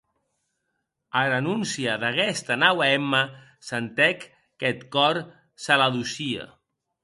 Ara anoncia d’aguesta naua Emma sentec qu’eth còr se l’adocie.